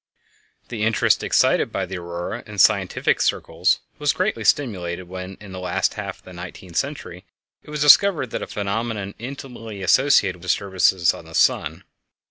The interest excited by the Aurora in scientific circles was greatly stimulated when, in the last half of the nineteenth century, it was discovered that it is a phenomenon intimately associated with disturbances on the sun.